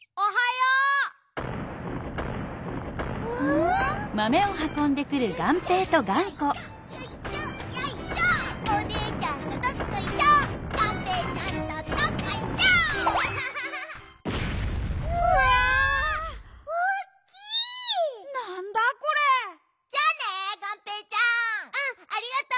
うんありがとう！